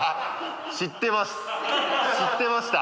知ってました。